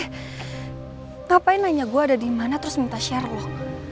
eh ngapain nanya gue ada dimana terus minta sherlock